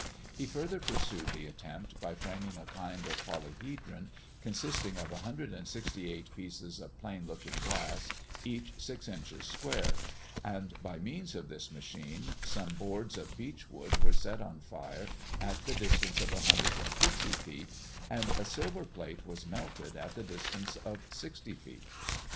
He further pursued the attempt by framing a kind of polyhedron, consisting of 168 pieces of plane looking glass, each six inches square; and by means of this machine, some boards of beech wood were set on fire at the distance of 150 feet, and a silver plate was melted at the distance of 60 feet.